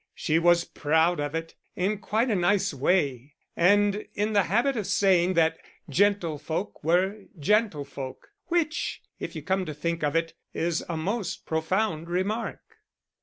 She was proud of it (in quite a nice way), and in the habit of saying that gentlefolk were gentlefolk; which, if you come to think of it, is a most profound remark.